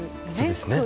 そうですね。